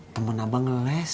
temen abang ngeles